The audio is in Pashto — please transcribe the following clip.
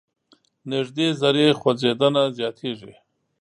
نژدې ذرې خوځیدنه زیاتیږي.